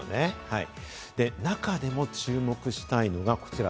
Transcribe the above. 中でも注目したいのが、こちら。